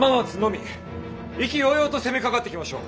意気揚々と攻めかかってきましょう。